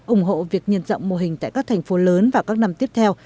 ủng hộ việc nhân rộng mô hình tại các thành phố lớn vào các năm tiếp theo